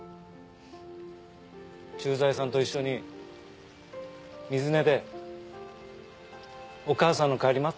駐在さんと一緒に水根でお母さんの帰り待っ